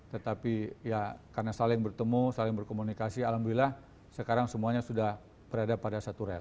tetapi ya karena saling bertemu saling berkomunikasi alhamdulillah sekarang semuanya sudah berada pada satu rel